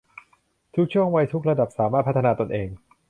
ทุกช่วงวัยทุกระดับสามารถพัฒนาตนเอง